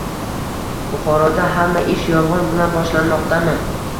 Buxoroda hamma ish yolg‘on bilan boshlanmoqdami?